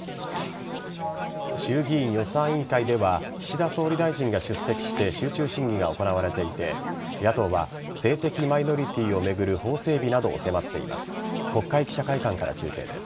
衆議院予算委員会では岸田総理大臣が出席して集中審議が行われていて野党は性的マイノリティーを巡る法整備などを迫っています。